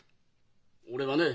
俺はねえ